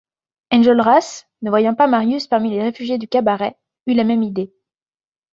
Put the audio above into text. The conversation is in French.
Enjolras, ne voyant pas Marius parmi les réfugiés du cabaret, eut la même idée.